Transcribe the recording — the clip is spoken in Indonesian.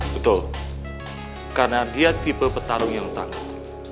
betul karena dia tipe petarung yang tangguh